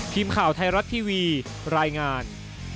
ทีมข่าวไทยรัฐทีวีรายงาน